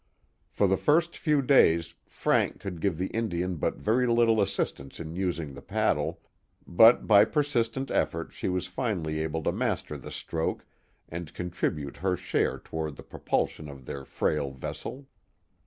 For the first few days Frank could give the In dian but very little assistance in using the paddle, but by per sistent effort she was finally able to master the stroke and contribute her share toward the propulsion of their frail vessel.